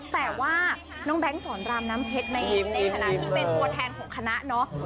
แต่ว่าน้องแบงค์สอนรามน้ำเพชรในฐานะที่เป็นตัวแทนของคณะเนาะ